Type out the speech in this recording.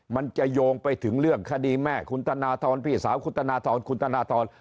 มันจะโยงไปถึงเรื่องคดีแม่คุณธนทรพี่สาวคุณธนทรคุณธนทร